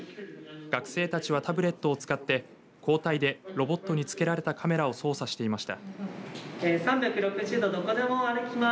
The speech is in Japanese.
学生たちはタブレットを使って交代でロボットに付けられたカメラを操作していました。